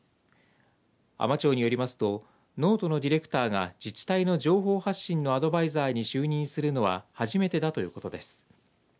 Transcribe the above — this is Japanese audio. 海士町によりますとｎｏｔｅのディレクターが自治体の情報発信のアドバイザーに就任するのは初めてだということです。